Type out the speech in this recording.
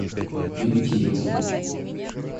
Примите его.